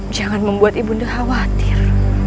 jangan membuat ibu anda khawatir